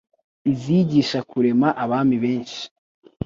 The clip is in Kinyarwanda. Izigisha kurema abami benshi